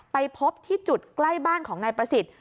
ไปพบที่จุดใกล้บ้านของนายประสิทธิ์